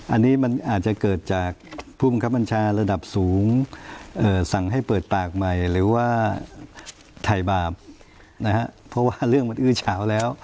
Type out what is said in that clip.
อันนี้มันอาจจะเกิดจากภูมิครับบัญชาระดับสูงสั่งให้เปิดปากใหม่หรือว่าถ่ายบาปนะฮะเพราะว่าเรื่องมันอื้อเฉาแล้ว